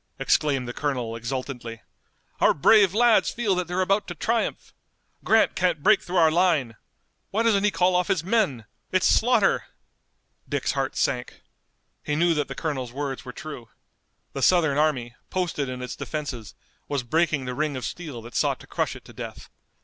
exclaimed the colonel exultantly. "Our brave lads feel that they're about to triumph! Grant can't break through our line! Why doesn't he call off his men? It's slaughter!" Dick's heart sank. He knew that the colonel's words were true. The Southern army, posted in its defenses, was breaking the ring of steel that sought to crush it to death.